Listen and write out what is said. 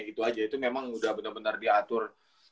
gitu aja itu memang udah bener bener diatur